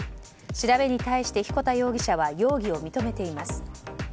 調べに対して、彦田容疑者は容疑を認めています。